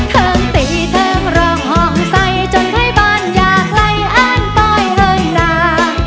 เทิงตีเทิงรองใส่จนใครบ้านอยากไล่อ้านป้ายเลยหนา